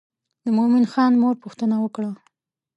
د مومن خان مور پوښتنه وکړه.